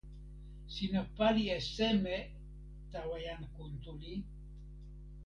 sina pali e seme tawa jan Kuntuli?